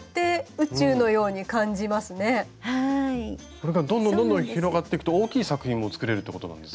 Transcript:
これがどんどんどんどん広がってくと大きい作品も作れるってことなんですよね。